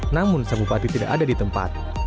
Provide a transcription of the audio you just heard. namun sang bupati tidak ada di tempat